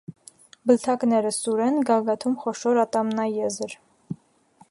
Բլթակները սուր են, գագաթում խոշոր ատամնաեզր։